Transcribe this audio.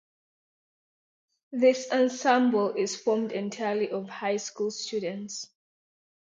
This ensemble is formed entirely of high school students.